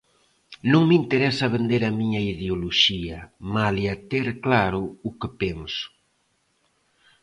Non me interesa vender a miña ideoloxía, malia ter claro o que penso.